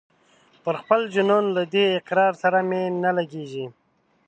پر خپل جنون له دې اقرار سره مي نه لګیږي